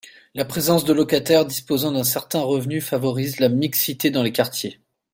La présence de locataires disposant d’un certain revenu favorise la mixité dans les quartiers.